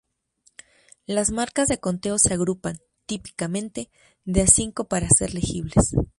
Las marcas de conteo se agrupan, típicamente, de a cinco para ser legibles.